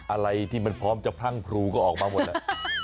อะไรที่มันพร้อมจะพรั่งพรูก็ออกมาหมดแล้ว